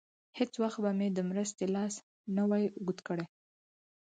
هېڅ وخت به مې د مرستې لاس نه وای اوږد کړی.